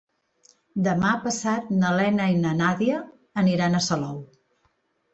Demà passat na Lena i na Nàdia aniran a Salou.